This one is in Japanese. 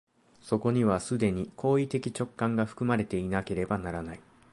そこには既に行為的直観が含まれていなければならない。